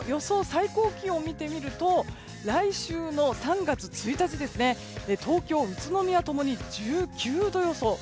最高気温を見てみると、来週の３月１日東京、宇都宮ともに１９度予想。